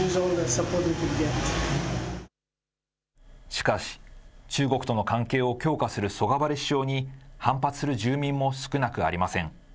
しかし、中国との関係を強化するソガバレ首相に、反発する住民も少なくありません。